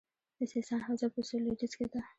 د سیستان حوزه په سویل لویدیځ کې ده